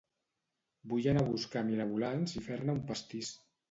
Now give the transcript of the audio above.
Vull anar a buscar mirabolans i fer-ne un pastís